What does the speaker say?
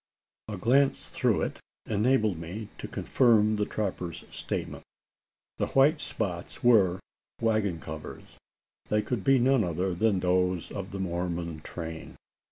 A glance through it enabled me to confirm the trapper's statement. The white spots were waggon covers: they could be none other than those of the Mormon train.